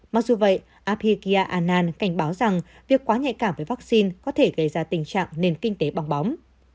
mặc dù vậy apikia annan cảnh báo rằng việc quá nhạy cảm với vaccine có thể gây ra tình trạng nền kinh tế bong bóng